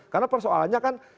karena persoalannya kan